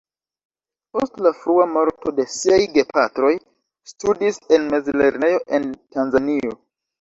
Post la frua morto de siaj gepatroj, studis en mezlernejo en Tanzanio.